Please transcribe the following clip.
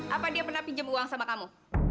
apa dia pernah pinjam uang sama kamu